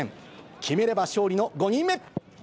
決めれば勝利の５人目。